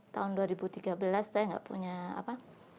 tahun dua ribu tiga belas saya nggak punya apa